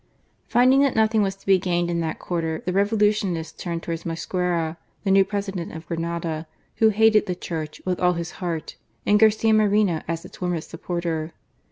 Finding that nothing was to be gained in that quarter, the Revolutionists turned towards Mosquera, the new President of Granada, who hated the Church with all his heart and Garcia Moreno A VIOLENT REACTION. 133 as its warmest supporter.